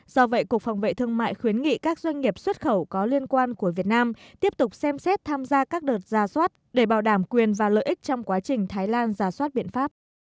do vậy cục phòng vệ thương mại khuyến nghị các doanh nghiệp xuất khẩu có liên quan của việt nam tiếp tục xem xét tham gia các đợt ra soát để bảo đảm quyền và lợi ích trong quá trình thái lan giả soát biện pháp